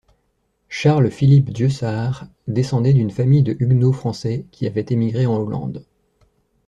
Charles Philippe Dieussart descendait d'une famille de huguenots français qui avaient immigré en Hollande.